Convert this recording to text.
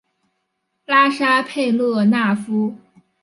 拉沙佩勒纳夫。